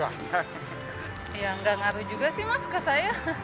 ya nggak ngaruh juga sih mas ke saya